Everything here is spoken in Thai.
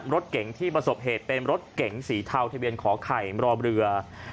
รถเก๋งที่ประสบเหตุเป็นรถเก๋งสีเทาทะเบียนขอไข่มรอเรือ